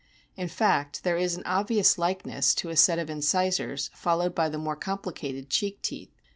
In fact, there is an obvious likeness to a set of in cisors, followed by the more complicated cheek teeth.